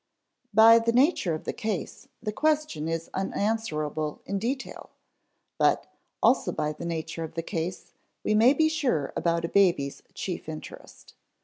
By the nature of the case, the question is unanswerable in detail; but, also by the nature of the case, we may be sure about a baby's chief interest.